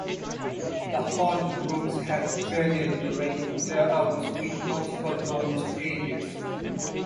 The hot rooms have fairly elaborate layouts with multiple domed areas.